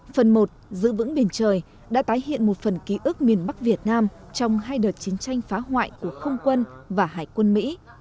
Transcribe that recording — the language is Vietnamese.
phần một giữ vững biển trời đã tái hiện một phần ký ức miền bắc việt nam trong hai đợt chiến tranh phá hoại của không quân và hải quân mỹ